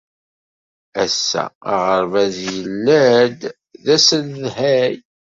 Ass-a, aɣerbaz yella-d d asedhay.